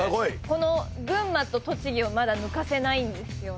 この群馬と栃木をまだ抜かせないんですよね。